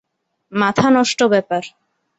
মাথা নষ্ট ব্যাপার।